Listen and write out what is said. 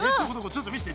ちょっと見せて。